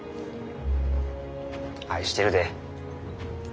愛してるで。